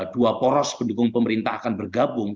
dua poros pendukung pemerintah akan bergabung